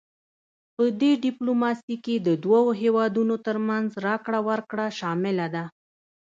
پدې ډیپلوماسي کې د دوه هیوادونو ترمنځ راکړه ورکړه شامله ده